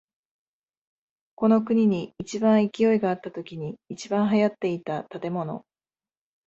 この国に一番勢いがあったときに一番流行っていた建物。